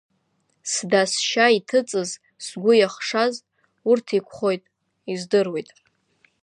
Сда-сшьа иҭыҵыз, сгәы иахшаз, урҭ, еиқәхоит, издыруеит.